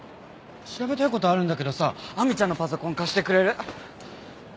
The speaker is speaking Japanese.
調べたい事あるんだけどさ亜美ちゃんのパソコン貸してくれる？